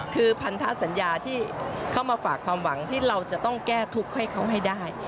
คือพันธสัญญาที่เข้ามาฝากความหวังที่เราจะต้องแก้ทุกข์ให้เขาให้ได้